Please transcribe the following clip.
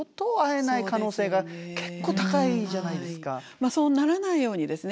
まあそうならないようにですね